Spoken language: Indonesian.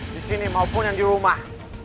disini maupun yang dirumah